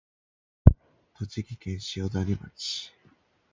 栃木県塩谷町